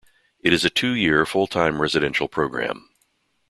It is a two-year, full-time residential programme.